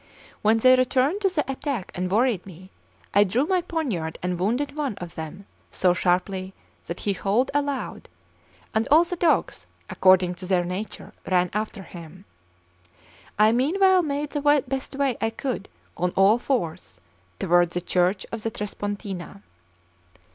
When they returned to the attack and worried me, I drew my poniard and wounded one of them so sharply that he howled aloud, and all the dogs, according to their nature, ran after him. I meanwhile made the best way I could on all fours toward the church of the Trespontina.